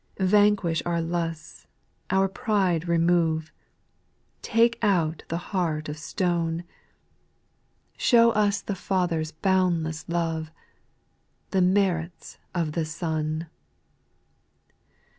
i5. Vanquish our lusts, our pride remove, Take out the heart of stone ; SPIRITUAL aONQS, 161 Show us the Father's boundlQSS loye, The merits of the Son.